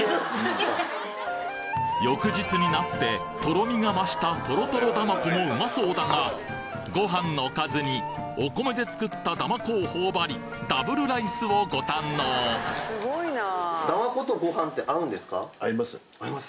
翌日になってとろみが増したトロトロだまこもうまそうだがご飯のおかずにお米で作っただまこを頬張りダブルライスをご堪能合います？